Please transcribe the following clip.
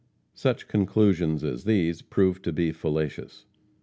Such conclusions as these proved to be fallacious.